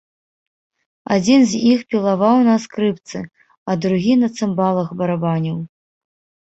Адзін з іх пілаваў на скрыпцы, а другі на цымбалах барабаніў.